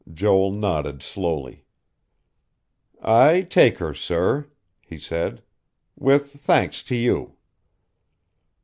Joel nodded slowly. "I take her, sir," he said. "With thanks to you."